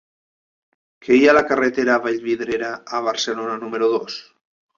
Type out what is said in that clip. Què hi ha a la carretera de Vallvidrera a Barcelona número dos?